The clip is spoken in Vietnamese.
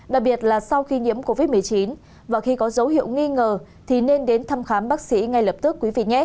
đặc biệt là sau khi nhiễm covid một mươi chín và khi có dấu hiệu nghi ngờ thì nên đến thăm khám bác sĩ ngay lập tức quý vị